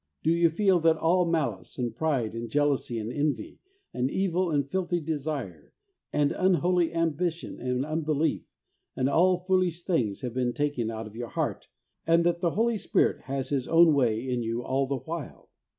Do you feel that all malice and pride, and jealousy and envy, and evil and filthy desire, and unholy ambition and unbelief, and all foolish things have been taken out of your heart, and that the Holy Spirit has His own way in you all the while?